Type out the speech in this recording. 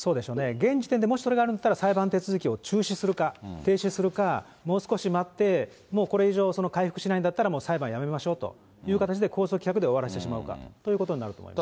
現時点でもしそれがあるんだったら、裁判手続きを停止するか、もう少し待って、もうこれ以上回復しないんだったら裁判やめましょうという形で、控訴棄却で終わらせてしまうかということになると思います。